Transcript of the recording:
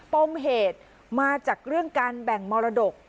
ปมเหตุมาจากเรื่องการแบ่งมรดก